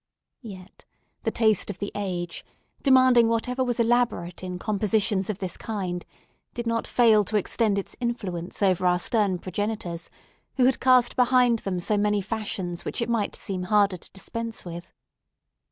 Yet the taste of the age, demanding whatever was elaborate in compositions of this kind, did not fail to extend its influence over our stern progenitors, who had cast behind them so many fashions which it might seem harder to dispense with.